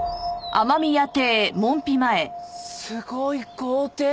すごい豪邸！